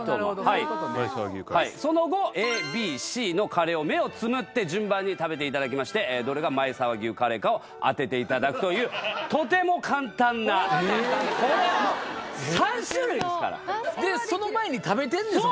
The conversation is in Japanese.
そういうことねはいその後ＡＢＣのカレーを目をつむって順番に食べていただきましてどれが前沢牛カレーかを当てていただくというとても簡単なこれは簡単です３種類ですからでその前に食べてんですもんね